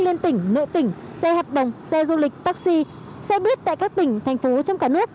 liên tỉnh nợ tỉnh xe hợp đồng xe du lịch taxi xe buýt tại các tỉnh thành phố trong cả nước